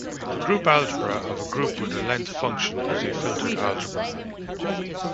The group algebra of a group with a length function is a filtered algebra.